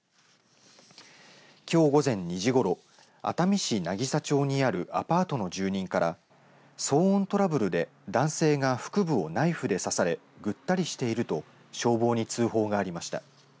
きょう午前２時ごろ熱海市渚町にあるアパートの住人から騒音トラブルで男性が腹部をナイフで刺されぐったりしていると消防に通報がありました。